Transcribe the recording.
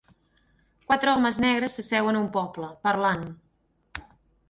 Quatre homes negres s'asseuen a un poble, parlant.